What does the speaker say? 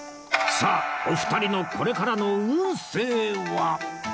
さあお二人のこれからの運勢は？